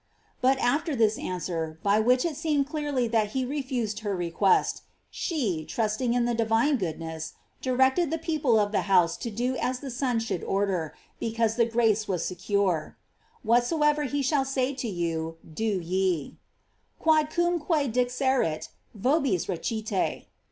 "J But after this answer, by which it seemed clearly that he refused her request, she, trusting in the divine goodness, directed the people of the house to do as the Son should order, because the grace was secure: Whatsoever he shall say to you, do ye: "Quodcumque dixerit vobig raeite."